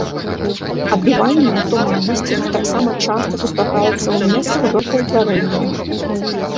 Адбівальныя туманнасці таксама часта сустракаюцца ў месцах зоркаўтварэння.